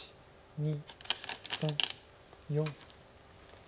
２３４。